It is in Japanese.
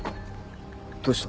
どうした？